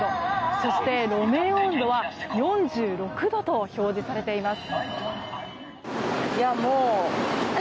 そして路面温度は４６度と表示されています。